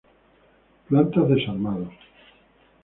Plantas desarmados.